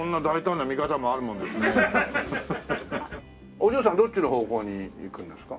お嬢さんどっちの方向に行くんですか？